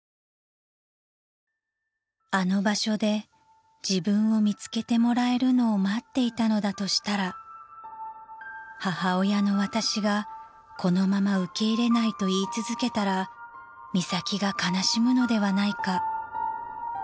［「あの場所で自分を見つけてもらえるのを待っていたのだとしたら母親の私がこのまま受け入れないと言い続けたら美咲が悲しむのではないか」］